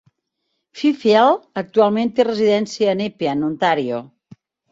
Fifield actualment té residència a Nepean (Ontario).